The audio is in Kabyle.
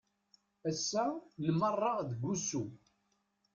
Ass-a nmerreɣ deg usu.